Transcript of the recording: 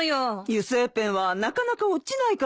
油性ペンはなかなか落ちないからね。